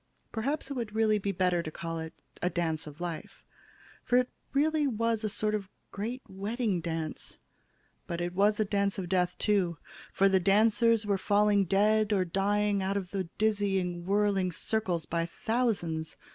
Perhaps it would really be better to call it a 'dance of life,' for it really was sort of a great wedding dance. But it was a dance of death, too, for the dancers were falling dead or dying out of the dizzying whirly circles by thousands.